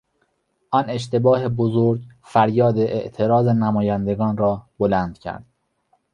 آن اشتباه بزرگ فریاد اعتراض نمایندگان را بلند کرد.